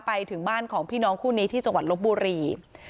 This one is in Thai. ไปถึงบ้านของพี่น้องคู่นี้ที่จังหวัดลบบุรี